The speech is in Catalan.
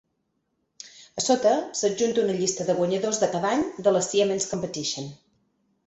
A sota s'adjunta una llista dels guanyadors de cada any de la Siemens Competition.